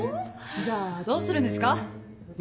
じゃあどうするんですか？